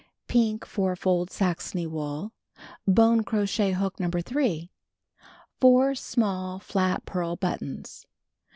Pink four fold Saxony wool. Bone crochet hook No. 3. Four small flat pearl buttons.